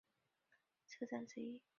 圣马特奥站的车站之一。